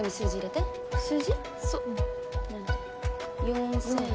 ４，０００。